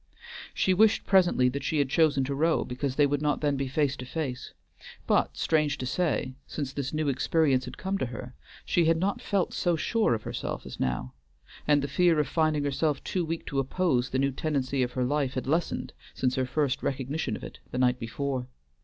She wished presently that she had chosen to row, because they would not then be face to face; but, strange to say, since this new experience had come to her, she had not felt so sure of herself as now, and the fear of finding herself too weak to oppose the new tendency of her life had lessened since her first recognition of it the night before.